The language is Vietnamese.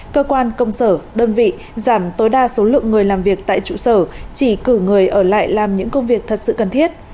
cơ quan công sở đơn vị giảm tối đa số lượng người làm việc tại trụ sở chỉ cử người ở lại làm những công việc thật sự cần thiết